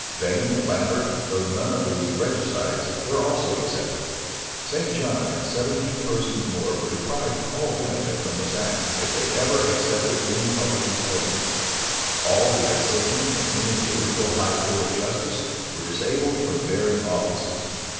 Vane and Lambert, though none of the regicides, were also excepted. St. John and seventeen persons more were deprived of all benefit from this act, if they ever accepted any public employment. All who had sitten in any illegal high court of justice were disabled from bearing offices.